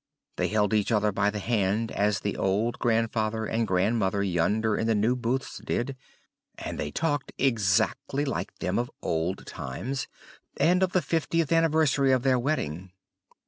They held each other by the hand, as the old grand father and grand mother yonder in the New Booths did, and they talked exactly like them of old times, and of the fiftieth anniversary of their wedding.